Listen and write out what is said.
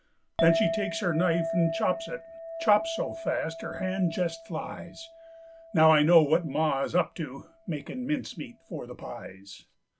Then she takes her knife an' chops it, Chops so fast her hand jest flies. Now I know what ma is up to Makin' mincemeat for the pies.